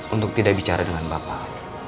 untuk tidak bicara dengan bapak